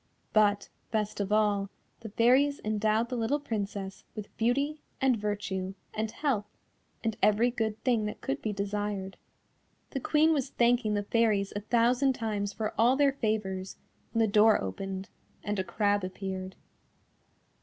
But, best of all, the Fairies endowed the little Princess with beauty, and virtue, and health, and every good thing that could be desired. The Queen was thanking the Fairies a thousand times for all their favours, when the door opened, and a crab appeared.